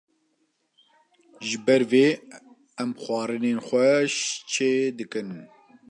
Ji ber vê em xwarinên xweş çê dikin